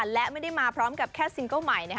และไม่ได้มาพร้อมกับแค่ซิงเกิ้ลใหม่